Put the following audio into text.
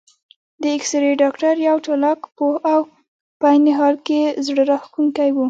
د اېکسرې ډاکټر یو چالاک، پوه او په عین حال کې زړه راښکونکی و.